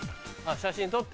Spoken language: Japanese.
写真撮ってる。